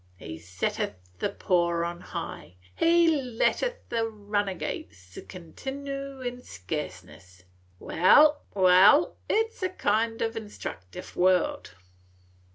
'He setteth the poor on high, an letteth the runagates continoo in scarceness.' Wal, wal, it 's a kind o' instructive world."